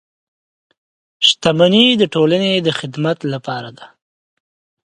• شتمني د ټولنې د خدمت لپاره ده.